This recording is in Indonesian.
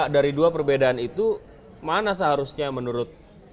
dari dua perbedaan itu mana seharusnya menurut